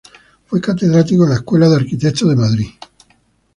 Fue catedrático en la Escuela de Arquitectos de Madrid.